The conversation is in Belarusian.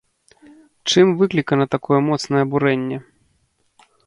Чым выклікана такое моцнае абурэнне?